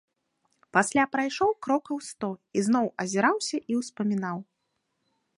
Пасля прайшоў крокаў сто і зноў азіраўся і ўспамінаў.